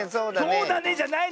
「そうだね」じゃない！